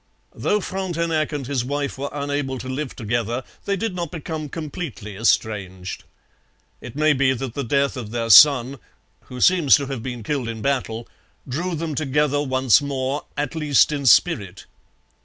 Though Frontenac and his wife were unable to live together, they did not become completely estranged. It may be that the death of their son who seems to have been killed in battle drew them together once more, at least in spirit.